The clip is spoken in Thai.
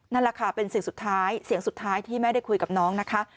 นั่นแหละค่ะเป็นเสียงสุดท้ายเสียงสุดท้ายที่แม่ได้คุยกับน้องนะคะ